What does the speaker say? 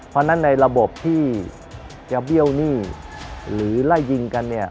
เพราะฉะนั้นในระบบที่จะเบี้ยวหนี้หรือไล่ยิงกันเนี่ย